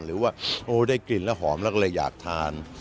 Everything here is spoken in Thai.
หรือว่าโอ้ได้กลิ่นแล้วหอมแล้วก็เลยอยากทาน